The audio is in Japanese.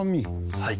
はい。